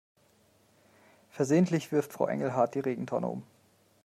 Versehentlich wirft Frau Engelhart die Regentonne um.